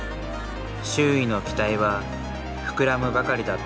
周囲の期待は膨らむばかりだった。